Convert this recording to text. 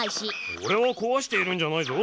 おれはこわしているんじゃないぞ。